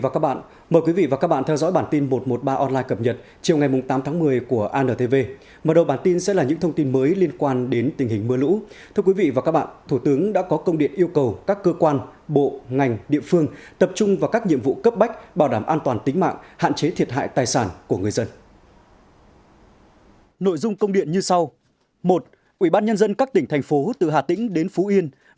các bạn hãy đăng ký kênh để ủng hộ kênh của chúng mình nhé